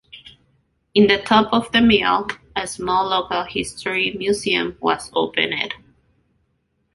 In the top of the mill, a small local history museum was opened.